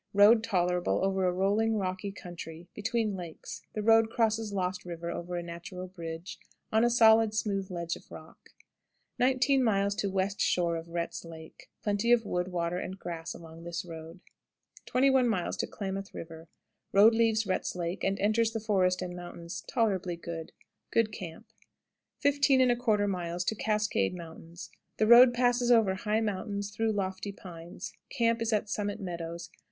Road tolerable over a rolling, rocky country, between lakes. The road crosses Lost River over a natural bridge, on a solid, smooth ledge of rock. 19. West shore of Rhett's Lake. Plenty of wood, water, and grass along this road. 21. Klamath River. Road leaves Rhett's Lake, and enters the forest and mountains; tolerably good. Good camp. 15 1/4. Cascade Mountains. The road passes over high mountains, through lofty pine trees. Camp is at Summit Meadows.